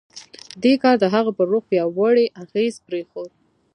دې کار د هغه پر روح پیاوړی اغېز پرېښود